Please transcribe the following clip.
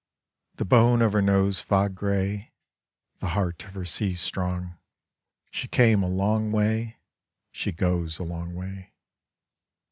The bone of her nose fog gray, The heart of her sea strong, She came a long way, She goes a long way.